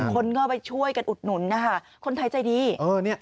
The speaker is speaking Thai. คนก็ไปช่วยกันอุดหนุนนะคะคนไทยใจดี